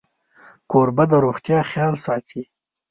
کوربه د روغتیا خیال ساتي.